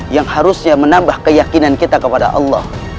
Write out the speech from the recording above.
yang harusnya menambah keyakinan kita kepada allah